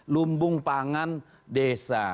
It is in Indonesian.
lumbung pangan desa